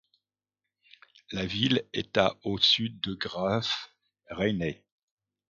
La ville est à au sud de Graaff-Reinet.